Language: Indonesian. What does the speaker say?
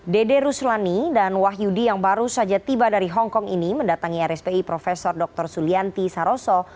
dede ruslani dan wahyudi yang baru saja tiba dari hongkong ini mendatangi rspi prof dr sulianti saroso